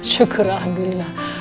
syukur ihan dulu